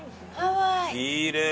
きれい！